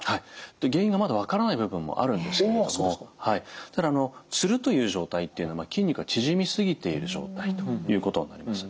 原因がまだ分からない部分もあるんですけれどもただつるという状態っていうのは筋肉が縮みすぎている状態ということになります。